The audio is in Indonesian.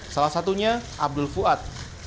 salah satunya abdul fuad